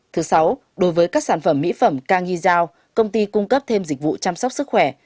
thứ sáu đối với các sản phẩm mỹ phẩm ca nghi giao công ty cung cấp thêm dịch vụ chăm sóc sức khỏe